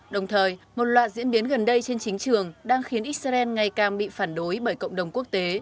đồng thời một loạt diễn biến gần đây trên chính trường đang khiến israel ngày càng bị phản đối bởi cộng đồng quốc tế